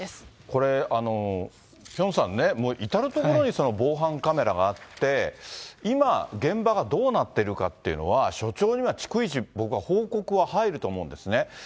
これ、ピョンさんね、至る所に防犯カメラがあって、今、現場がどうなっているかっていうのは、署長には逐一、僕は報告が入ると思うんですね。